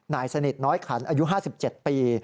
นายสนิทน้อยขันอายุ๕๗ปี